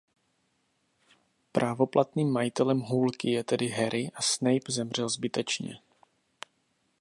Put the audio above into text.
Právoplatným majitelem hůlky je tedy Harry a Snape zemřel zbytečně.